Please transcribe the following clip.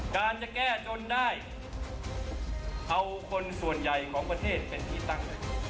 การจะแก้จนได้เอาคนส่วนใหญ่ของประเทศเป็นที่ตั้ง